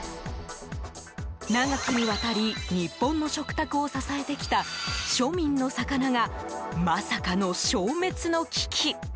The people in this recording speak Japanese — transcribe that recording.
長きにわたり、日本の食卓を支えてきた庶民の魚がまさかの消滅の危機？